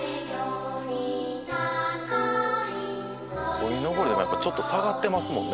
「鯉のぼりとかやっぱちょっと下がってますもんね」